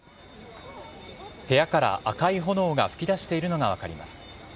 部屋から赤い炎が噴き出しているのが分かります。